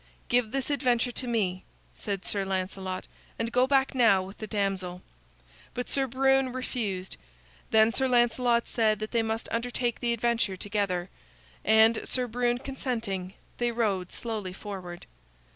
"Give this adventure to me," said Sir Lancelot, "and go back now with the damsel." But Sir Brune refused. Then Sir Lancelot said that they must undertake the adventure together, and Sir Brune consenting, they rode slowly forward.